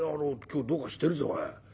今日どうかしてるぞおい。